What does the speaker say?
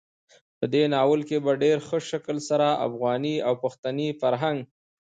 په دې ناول کې په ډېر ښه شکل سره افغاني او پښتني فرهنګ,